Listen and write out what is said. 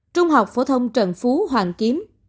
trung học phổ thông trần phú hoàng kiếm